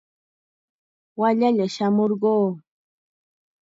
Wallalla shamurquu.